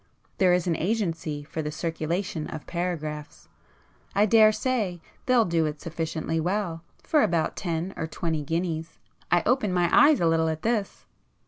There is an Agency for the circulation of paragraphs,—I daresay they'll do it sufficiently well for about ten or twenty guineas." I opened my eyes a little at this.